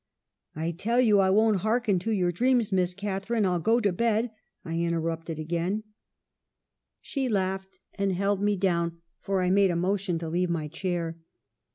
' I tell you, I won't hearken to your dreams, Miss Catharine. I'll go to bed,' I interrupted again. 1 Wi'THERIXG HEIGHTS: 247 " She laughed, and held me down, for I made a motion to leave my chair.